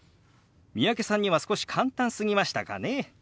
三宅さんには少し簡単すぎましたかね？